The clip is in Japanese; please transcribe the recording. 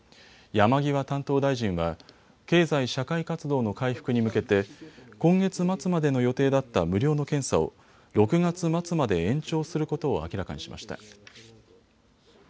山際担当大臣は経済社会活動の回復に向けて今月末までの予定だった無料の検査を６月末まで延長することを明らかにしました。